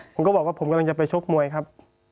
ผมก็บอกว่าผมกำลังจะไปชกมวยครับ